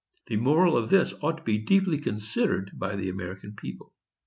The moral of this ought to be deeply considered by the American people.